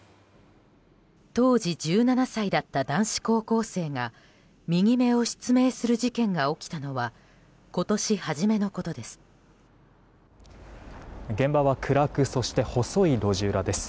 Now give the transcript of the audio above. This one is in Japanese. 当時、１７歳だった男子高校生が右目を失明する事件が起きたのは今年初めのことです。